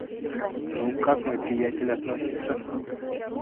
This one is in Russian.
Ну, как мой приятель относится?